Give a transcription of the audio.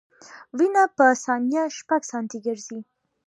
وینه په ثانیه شپږ سانتي ګرځي.